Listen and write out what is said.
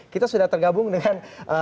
kita sudah tergabung dengan